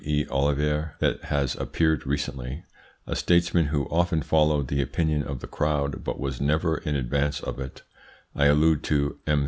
E. Ollivier that has appeared recently, a statesman who often followed the opinion of the crowd but was never in advance of it I allude to M.